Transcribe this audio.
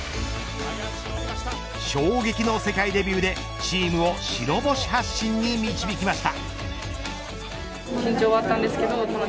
衝撃の世界デビューで白星発進に導きました。